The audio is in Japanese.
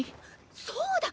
そうだ！